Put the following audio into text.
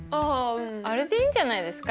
あれでいいんじゃないですか？